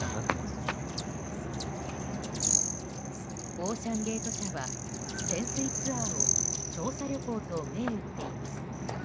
オーシャン・ゲート社は潜水ツアーを調査旅行と銘打っています。